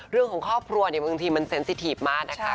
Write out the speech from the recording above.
เรื่องของครอบครัวบางทีมันเซ็นสิทีฟมาก